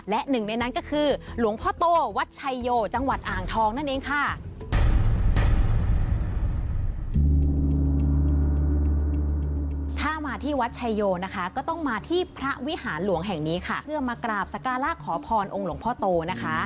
และหนึ่งในนั้นก็คือหลวงพ่อโตวัดชัยโยจังหวัดอ่างทองนั่นเองค่ะ